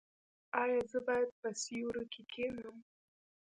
ایا زه باید په سیوري کې کینم؟